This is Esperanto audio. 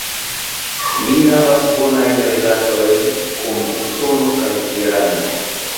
Li havas bonajn rilatojn kun Usono kaj Irano.